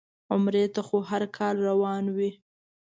عمرې ته خو هر کال روان وي.